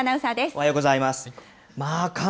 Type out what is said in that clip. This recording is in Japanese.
おはようございます。